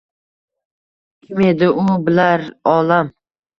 Kim edi u, bilar olam